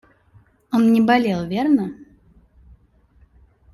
Он и не болел, верно?